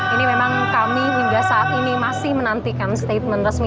ini memang kami hingga saat ini masih menantikan statement resmi